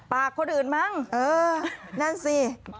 คนอื่นมั้งเออนั่นสิ